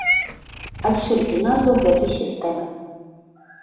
Адсюль і назва гэтай сістэмы.